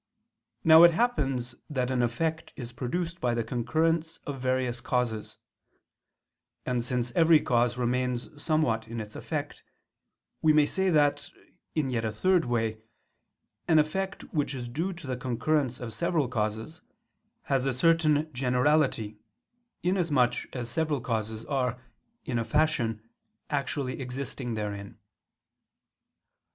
Now it happens that an effect is produced by the concurrence of various causes; and since every cause remains somewhat in its effect, we may say that, in yet a third way, an effect which is due to the concurrence of several causes, has a certain generality, inasmuch as several causes are, in a fashion, actually existing therein.